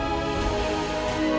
kembali ke rumah saya